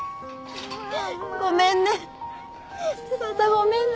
ごめんね。